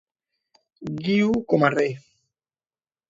Guiu com a rei.